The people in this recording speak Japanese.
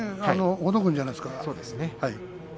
ほどくんじゃないですか。